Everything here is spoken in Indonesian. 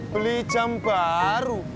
beli jam baru